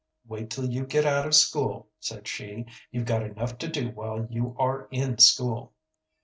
"Wait till you get out of school," said she. "You've got enough to do while you are in school."